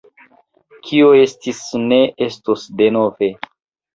Kio estis ne estos denove.